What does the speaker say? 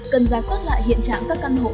cần giả xuất lại hiện trạng các căn hộ